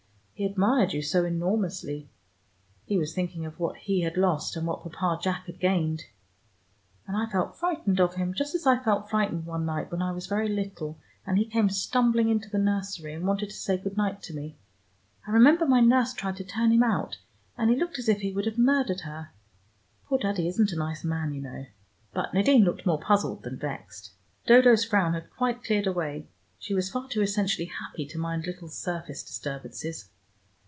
He admired you so enormously. He was thinking of what he had lost and what Papa Jack had gained. And I felt frightened of him, just as I felt frightened one night when I was very little, and he came stumbling into the nursery, and wanted to say good night to me. I remember my nurse tried to turn him out, and he looked as if he would have murdered her. Poor Daddy isn't a nice man, you know." But Nadine looked more puzzled than vexed. Dodo's frown had quite cleared away. She was far too essentially happy to mind little surface disturbances.